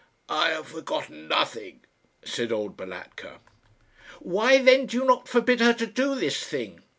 "I have forgotten nothing," said old Balatka. "Why then do you not forbid her to do this thing?"